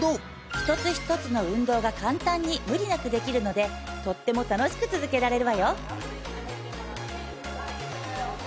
一つ一つの運動が簡単に無理なくできるのでとっても楽しく続けられるわよ